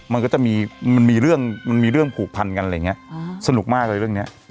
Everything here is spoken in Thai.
มันก็จะมีมันมีเรื่องมันมีเรื่องผูกพันกันอะไรอย่างนี้สนุกมากเลยเรื่องนี้